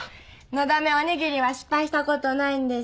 のだめおにぎりは失敗したことないんです。